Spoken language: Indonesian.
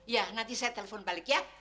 ya nanti saya telepon balik ya